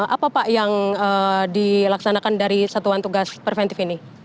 apa pak yang dilaksanakan dari satuan tugas preventif ini